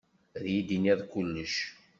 Ad iyi-d-tiniḍ kullec.